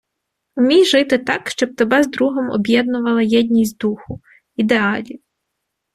Умій жити так, щоб тебе з другом об'єднувала єдність духу, ідеалів...